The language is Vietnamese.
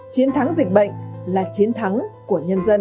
chiến thắng dịch bệnh là chiến thắng của nhân dân